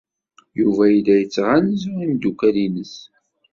Yuba yella yettɣanzu imeddukal-nnes.